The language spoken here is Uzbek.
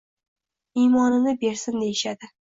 Iymonini bersin, deyishadi